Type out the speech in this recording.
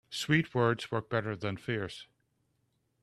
Sweet words work better than fierce.